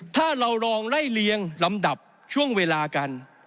ถ้าเราลองไล่เลียงลำดับช่วงเวลากัน